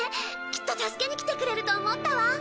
きっと助けに来てくれると思ったわ。